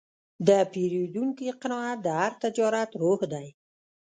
د پیرودونکي قناعت د هر تجارت روح دی.